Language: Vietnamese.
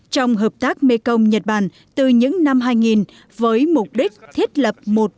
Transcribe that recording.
trong hợp tác mekong nhật bản từ những năm hai nghìn với mục đích thiết lập một